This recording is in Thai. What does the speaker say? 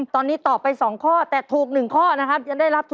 ตอนนี้ตอบไป๒ข้อแต่ถูกอยู่๑ข้อนะครับ